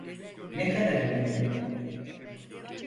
Ne kadar önemli?